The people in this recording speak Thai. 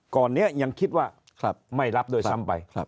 ก่อนนี้ยังคิดว่าไม่รับด้วยซ้ำไป